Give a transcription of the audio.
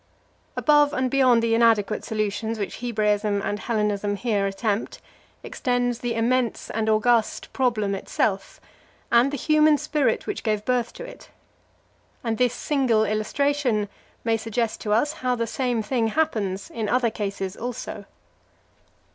Above and beyond the inadequate solutions which Hebraism and Hellenism here attempt, extends the immense and august problem itself, and the human spirit which gave birth to it. And this single illustration may suggest to us how the same thing happens in other cases also.